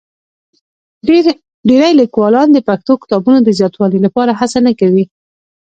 ډېری لیکوالان د پښتو کتابونو د زیاتوالي لپاره هڅه نه کوي.